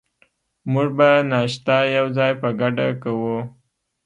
موږ به ناشته یوځای په ګډه کوو.